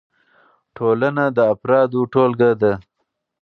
ټولنه د افرادو ټولګه ده.